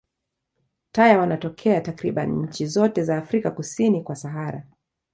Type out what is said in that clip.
Taya wanatokea takriban nchi zote za Afrika kusini kwa Sahara.